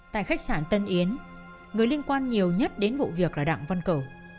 tại khách sạn tân yến người liên quan nhiều nhất đến vụ việc là đặng văn cầu